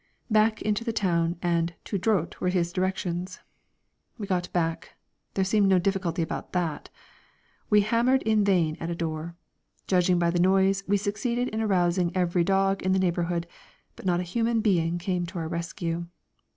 "Back into the town and tout droit," were his directions. We got back. There seemed no difficulty about that. We hammered in vain at a door. Judging by the noise, we succeeded in arousing every dog in the neighbourhood, but not a human being came to our rescue.